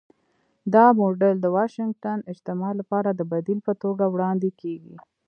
دا موډل د 'واشنګټن اجماع' لپاره د بدیل په توګه وړاندې کېږي.